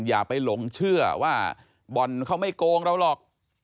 อย่าไปหลงเชื่อว่าบ่อนเขาไม่โกงเราหรอก